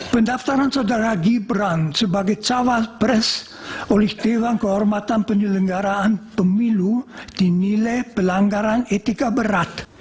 pendaftaran saudara gibran sebagai cawapres oleh dewan kehormatan penyelenggaraan pemilu dinilai pelanggaran etika berat